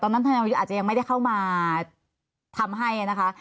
ตอนนั้นทนัยวรรยุอาจจะยังไม่ได้เข้ามาทำให้นะคะ